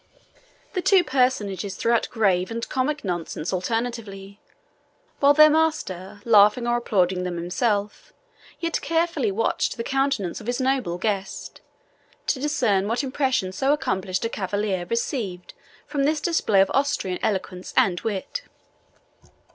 These two personages threw out grave and comic nonsense alternately; while their master, laughing or applauding them himself, yet carefully watched the countenance of his noble guest, to discern what impressions so accomplished a cavalier received from this display of Austrian eloquence and wit.